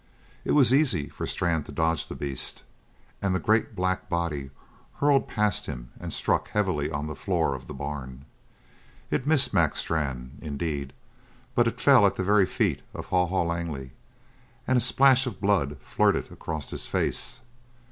It was easy for Strann to dodge the beast, and the great black body hurtled past him and struck heavily on the floor of the barn. It missed Mac Strann, indeed, but it fell at the very feet of Haw Haw Langley, and a splash of blood flirted across his face.